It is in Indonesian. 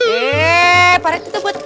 eh pak rt itu buat